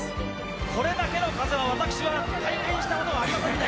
これだけの風は、私は体験したことがありませんね。